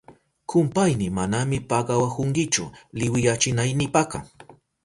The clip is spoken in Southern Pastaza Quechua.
Kumpayni, manami pagawahunkichu liwiyachinaynipaka.